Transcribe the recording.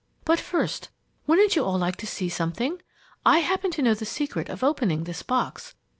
But first, wouldn't you all like to see something? I happen to know the secret of opening this box.